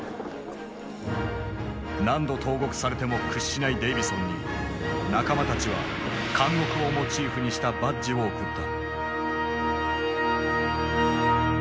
何度投獄されても屈しないデイヴィソンに仲間たちは監獄をモチーフにしたバッジを贈った。